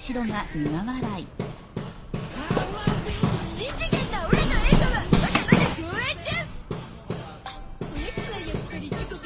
しん次元なオラの映画はまだまだ上映中！